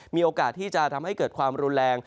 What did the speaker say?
มีโอกาสที่จะทำให้เกิดความรุนแรง